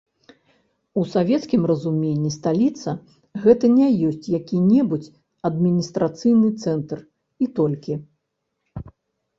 У савецкім разуменні сталіца, гэта не ёсць які-небудзь адміністрацыйны цэнтр, і толькі.